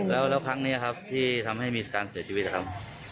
แล้วครั้งนี้ครับที่ทำให้มีการเสียชีวิตนะครับ